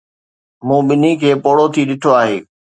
مون ٻنهي کي پوڙهو ٿي ڏٺو آهي.